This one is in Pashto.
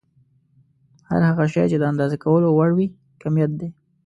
هر هغه شی چې د اندازه کولو وړ وي کميت دی.